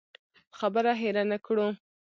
خبره هېره نه کړو.